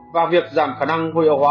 và việc giảm khả năng vô hiệu hóa